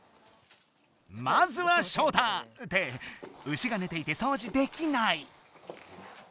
まずはショウタ！って牛が寝ていてそうじできない！